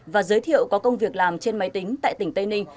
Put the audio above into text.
và giới thiệu có công việc làm trên máy tính tại tỉnh tây ninh